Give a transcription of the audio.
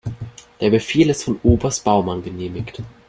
Der Befehl ist von Oberst Baumann genehmigt.